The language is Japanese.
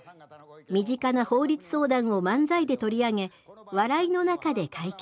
身近な法律相談を漫才で取り上げ笑いの中で解決。